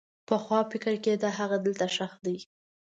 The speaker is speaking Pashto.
پخوا فکر کېده هغه دلته ښخ دی.